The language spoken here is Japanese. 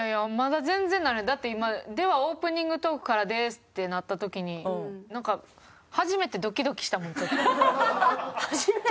だって今「ではオープニングトークからです」ってなった時になんか初めてドキドキしたもんちょっと。